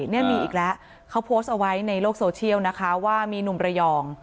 นี่มีอีกแล้วเขาโพสต์เอาไว้ในโลกโซเชียลนะคะว่ามีหนุ่มระยอง